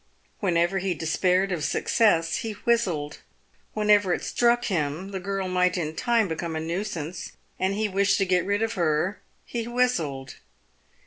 Whenever he de spaired of success, he whistled. Whenever it struck him the girl might in time become a nuisance, and he wish to get rid of her, he whistled.